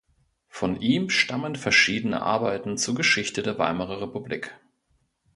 Von ihm stammen verschiedene Arbeiten zur Geschichte der Weimarer Republik.